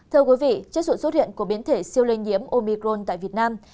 thưa quý vị trước sự xuất hiện của biến thể siêu lây nhiễm omicron tại việt nam